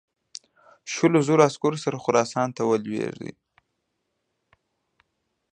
شلو زرو عسکرو سره خراسان ته ولېږي.